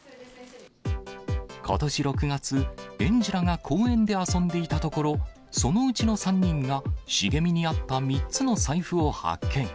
ことし６月、園児らが公園で遊んでいたところ、そのうちの３人が、茂みにあった３つの財布を発見。